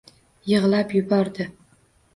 Yig’lab yubordi…